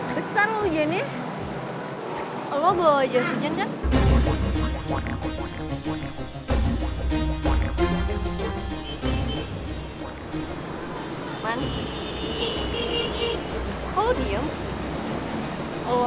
besar loh jennya